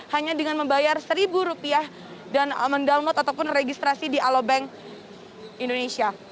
hanya dengan membayar seribu rupiah dan mendownload ataupun registrasi di alobank indonesia